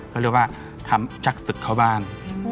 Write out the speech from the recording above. เขาเรียกว่าทำจากศึกเข้าบ้าน